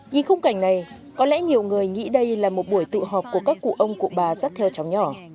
nhìn khung cảnh này có lẽ nhiều người nghĩ đây là một buổi tụ họp của các cụ ông cụ bà dắt theo cháu nhỏ